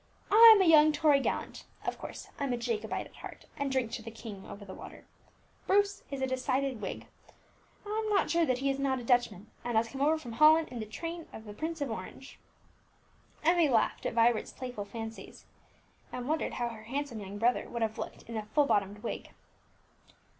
I'm a young Tory gallant (of course, I'm a Jacobite at heart, and drink to 'the king over the water'); Bruce is a decided Whig, I'm not sure that he is not a Dutchman, and has come over from Holland in the train of the Prince of Orange." Emmie laughed at Vibert's playful fancies, and wondered how her handsome young brother would have looked in a full bottomed wig.